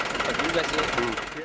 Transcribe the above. sepat juga sih